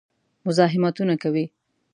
مزاحمتونه کوي.